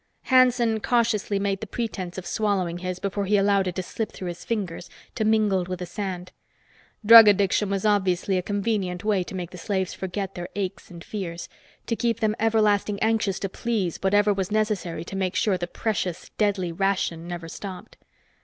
Hanson cautiously made the pretense of swallowing his before he allowed it to slip through his fingers to mingle with the sand. Drug addiction was obviously a convenient way to make the slaves forget their aches and fears, to keep them everlasting anxious to please whatever was necessary to make sure the precious, deadly ration never stopped.